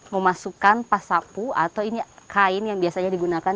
memasukkan pasapu atau kain yang biasanya digunakan